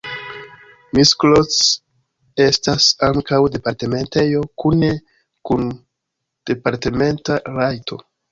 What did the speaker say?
Miskolc estas ankaŭ departementejo kune kun departementa rajto.